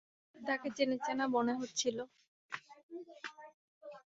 তাকে চেনা চেনা মনে হচ্ছিল।